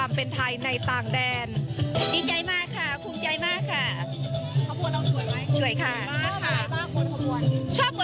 มันยังมีสีเหลืองอยู่ใช่ไหมค่ะ